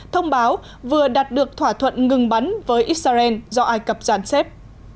thông báo vừa đạt được thỏa thuận ngừng bắn với israel do ai cập giàn xếp